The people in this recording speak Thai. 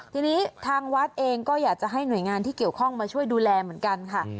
ทีนี้ทางวัดเองก็อยากจะให้หน่วยงานที่เกี่ยวข้องมาช่วยดูแลเหมือนกันค่ะ